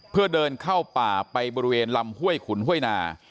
เพื่อเดินเข้าป่าไปบริเวณลำห้วยขุนห้วยนา